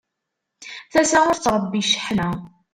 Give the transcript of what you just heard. Tasa ur tettṛebbi cceḥna.